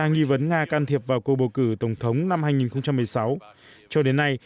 nghi vấn nga can thiệp vào cuộc bầu cử tổng thống năm hai nghìn một mươi sáu cho đến nay